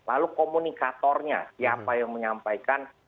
lalu komunikatornya siapa yang menyampaikan